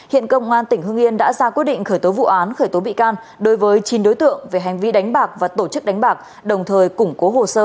hiện công an tỉnh hương yên đã ra quyết định khởi tố vụ án khởi tố bị can đối với chín đối tượng về hành vi đánh bạc và tổ chức đánh bạc đồng thời củng cố hồ sơ